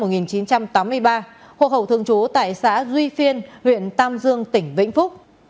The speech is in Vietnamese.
đối tượng phạm thị kiên sinh năm hai nghìn ba hồ hậu thường chú tại xã duy phiên huyện tam dương tỉnh vĩnh phúc